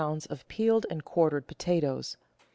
of peeled and quartered potatoes.